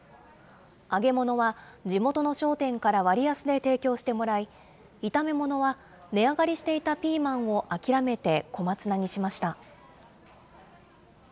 揚げ物は地元の商店から割安で提供してもらい、炒め物は値上がりしていたピーマンを諦めて、小松菜にしました。